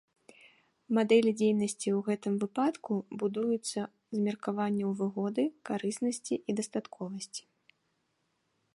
Мадэлі дзейнасці ў гэтым выпадку будуюцца з меркаванняў выгоды, карыснасці і дастатковасці.